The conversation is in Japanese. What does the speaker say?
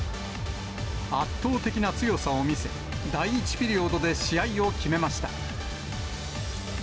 圧倒的な強さを見せ、第１ピリオドで試合を決めました。